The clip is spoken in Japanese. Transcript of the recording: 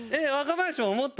若林も思った？